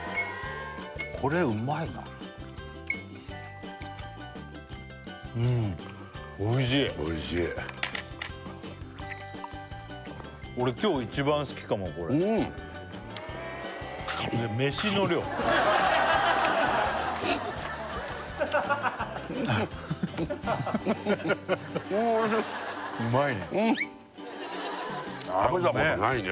これうまいなうんおいしい俺今日一番好きかもこれうんうまいねうん食べたことないね